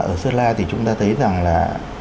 ở sơn la thì chúng ta thấy rằng là